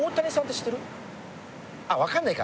あっ分かんないか。